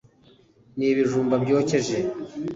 n'ibij umba byokeje